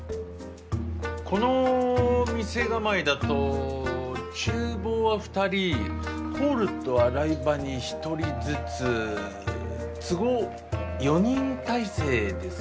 この店構えだと厨房は２人ホールと洗い場に１人ずつ都合４人体制ですか？